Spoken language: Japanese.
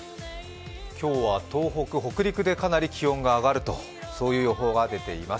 今日は東北、北陸でかなり気温が上がるとそういう予報が出ています。